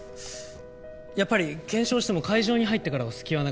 やっぱり検証しても会場に入ってからは隙はなかった。